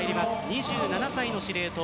２７歳の司令塔。